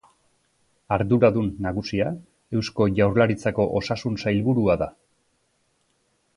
Arduradun nagusia Eusko Jaurlaritzako Osasun Sailburua da.